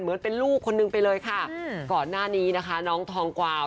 เหมือนเป็นลูกคนนึงไปเลยค่ะก่อนหน้านี้นะคะน้องทองกวาว